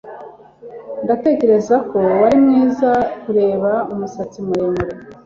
Ndatekereza ko wari mwiza kureba umusatsi muremure